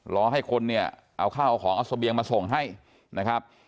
รอให้คนเนี่ยเอาข้าวเอาของเอาเสบียงมาส่งให้นะครับ